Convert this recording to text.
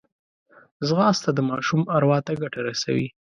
ځغاسته د ماشوم اروا ته ګټه رسوي